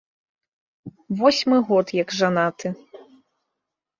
Восьмы год як жанаты.